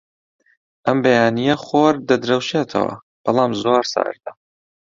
ئەم بەیانییە خۆر دەدرەوشێتەوە، بەڵام زۆر ساردە.